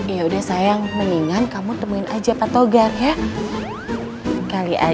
yaudah sayang mendingan kamu temuin aja patogar ya